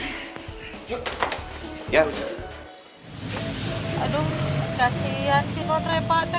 kasihan si nonrepa